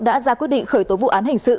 đã ra quyết định khởi tố vụ án hình sự